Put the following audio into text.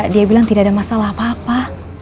dia bilang tidak ada masalah apa apa